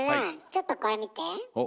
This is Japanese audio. ちょっとこれ見て。